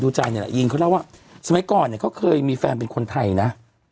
ใจเนี่ยแหละยีนเขาเล่าว่าสมัยก่อนเนี่ยเขาเคยมีแฟนเป็นคนไทยนะ